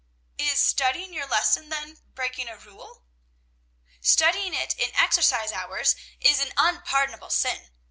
'" "Is studying your lesson, then, breaking a rule?" "Studying it in exercise hours is an unpardonable sin.